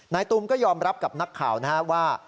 ตูมก็ยอมรับกับนักข่าวนะครับว่า